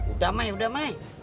udah mai udah mai